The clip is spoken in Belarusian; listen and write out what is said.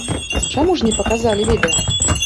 Чаму ж не паказалі відэа?